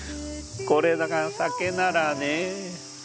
これが酒ならねぇ。